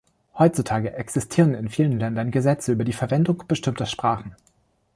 Heutzutage existieren in vielen Ländern Gesetze über die Verwendung bestimmter Sprachen.